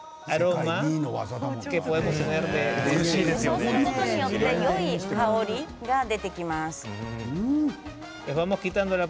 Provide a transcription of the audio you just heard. こうすることによってよい香りが出てきます。